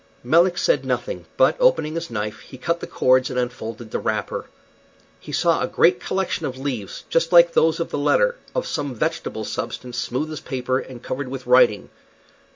Melick said nothing, but, opening his knife, he cut the cords and unfolded the wrapper. He saw a great collection of leaves, just like those of the letter, of some vegetable substance, smooth as paper, and covered with writing.